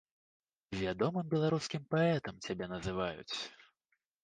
Вядомым беларускім паэтам цябе называюць!